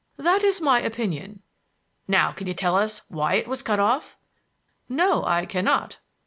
"That is my opinion." "Now can you tell us why it was cut off?" "No, I cannot."